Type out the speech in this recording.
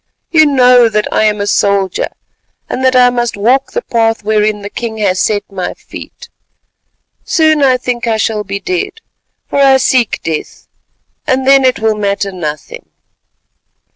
You know that I am a soldier, and that I must walk the path whereon the king has set my feet. Soon I think I shall be dead, for I seek death, and then it will matter nothing."